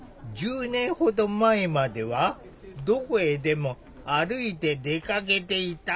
１０年ほど前まではどこへでも歩いて出かけていた。